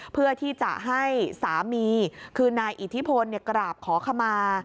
เพื่อที่จะให้สามีคือนายอิทธิพลกราบขอขมา